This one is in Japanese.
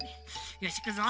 よしいくぞ！